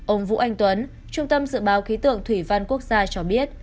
ông vũ anh tuấn trung tâm dự báo khí tượng thủy văn quốc gia cho biết